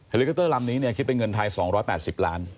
ลิคอปเตอร์ลำนี้คิดเป็นเงินไทย๒๘๐ล้าน